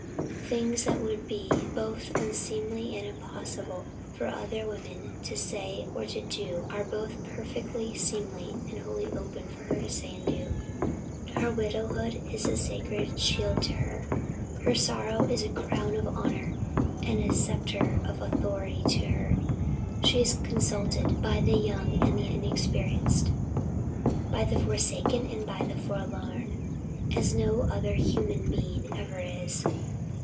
Things that would be both unseemly and impossible for other women to say or to do are both perfectly seemly and wholly open for her to say and to do. Her widowhood is a sacred shield to her. Her sorrow is a crown of honour and a sceptre of authority to her. She is consulted by the young and the inexperienced, by the forsaken and by the forlorn, as no other human being ever is.